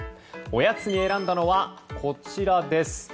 おやつに選んだのはこちらです。